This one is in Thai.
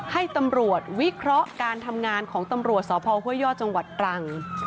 ให้ตำรวจวิเคราะห์การทำงานของตำรวจสพห้วยย่อจังหวัดตรัง